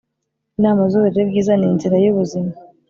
inama z'uburere bwiza ni inzira y'ubuzima